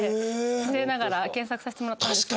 失礼ながら検索させてもらったんですけど。